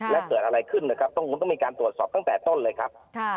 และเกิดอะไรขึ้นนะครับต้องมีการตรวจสอบตั้งแต่ต้นเลยครับ